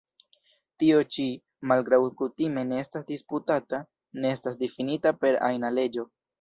Tio ĉi, malgraŭ kutime ne estas disputata, ne estas difinita per ajna leĝo.